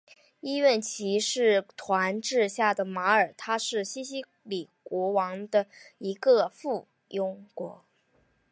医院骑士团治下的马耳他是西西里王国的一个附庸国。